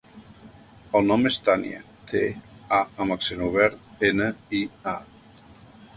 El nom és Tània: te, a amb accent obert, ena, i, a.